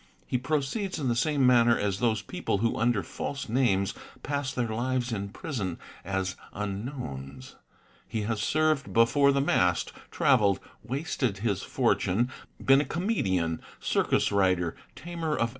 He _ proceeds in the same manner as those people who under false names pass _ their lives in prison as ''unknowns"'; he has served before the mast, / travelled, wasted his fortune, been a comedian, circus rider, tamer of SANA LATE SE LE SEES YSIS SE REGS LH.